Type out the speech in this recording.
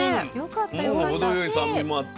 程よい酸味もあって。